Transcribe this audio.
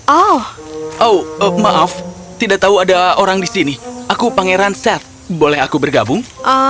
oh oh maaf tidak tahu ada orang di sini aku pangeran set boleh aku bergabung